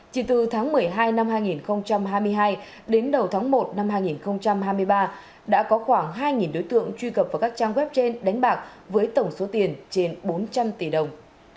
chỉ từ tháng một mươi hai năm hai nghìn hai mươi hai đến đầu tháng một năm hai nghìn hai mươi ba đã có khoảng hai đối tượng truy cập vào các trang web trên đánh bạc với tổng số tiền trên bốn trăm linh tỷ đồng